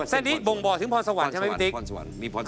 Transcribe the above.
เส้นนี้บ่งบอกถึงพรสวรรค์ใช่ไหมพี่ติ๊ก